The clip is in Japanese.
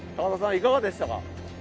いかがでしたか？